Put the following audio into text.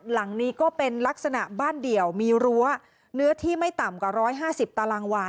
หลังนี้ก็เป็นลักษณะบ้านเดี่ยวมีรั้วเนื้อที่ไม่ต่ำกว่า๑๕๐ตารางวา